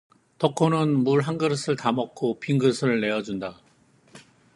덕호는 물 한 그릇을 다 먹고 빈 그릇을 내준다.